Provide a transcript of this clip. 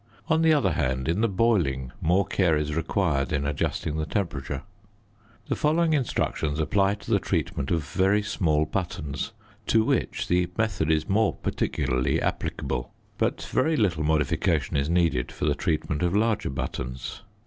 On the other hand, in the boiling more care is required in adjusting the temperature. The following instructions apply to the treatment of very small buttons, to which the method is more particularly applicable; but very little modification is needed for the treatment of larger buttons.